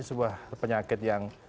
sebuah penyakit yang